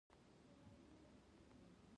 پلټونکی اوسه نه قضاوت کوونکی دا سمه لار ده.